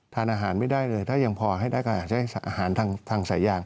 ทานอาหารไม่ได้เลยถ้ายังพอให้ได้ก็อาจจะให้อาหารทางสายยาง